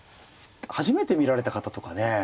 初めて見られた方とかね